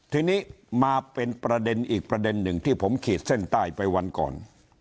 ทีนี้มาเป็นประเด็นอีกประเด็นหนึ่งที่ผมขีดเส้นใต้ไปวันก่อน